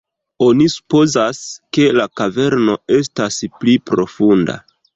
Oni supozas, ke la kaverno estas pli profunda.